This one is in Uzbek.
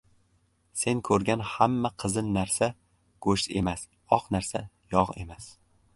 • Sen ko‘rgan hamma qizil narsa ― go‘sht emas, oq narsa ― yog‘ emas.